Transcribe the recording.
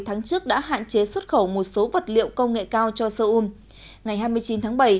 tháng trước đã hạn chế xuất khẩu một số vật liệu công nghệ cao cho seoul ngày hai mươi chín tháng bảy